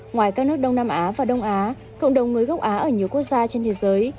ngoài các nước đông nam á và đông á cộng đồng người gốc á ở nhiều quốc gia trên thế giới